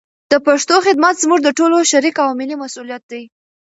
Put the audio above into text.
د پښتو خدمت زموږ د ټولو شریک او ملي مسولیت دی.